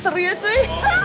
seru ya cuy